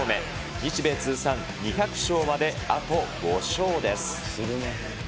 日米通算２００勝まであと５勝です。